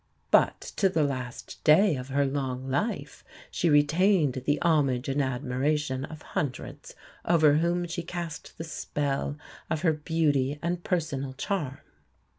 But to the last day of her long life she retained the homage and admiration of hundreds, over whom she cast the spell of her beauty and personal charm.